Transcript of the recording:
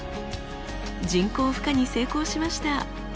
人工ふ化に成功しました。